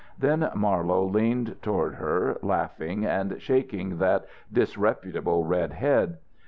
Then Marlowe leaned toward her, laughing and shaking that disreputable red head.